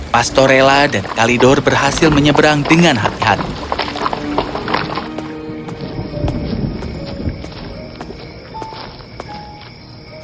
pastorella dan kalidor berhasil menyeberang dengan hati hati